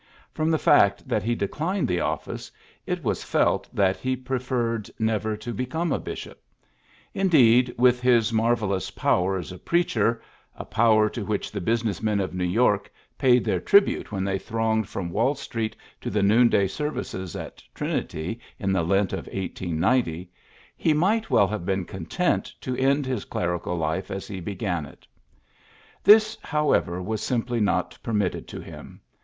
From the fact that he declined the office, it was felt that he preferred never to become a bishop. 96 PHILLIPS BEOOKS Indeed, with his marvellous power as a preacher, a power to which the busi ness men of IsTew York paid their trib ute when they thronged from Wall Street to the noonday services at Trin ity in the Lent of 1890, he might well have been content to end his clerical life as he began it. This, however, was simply not per mitted to him.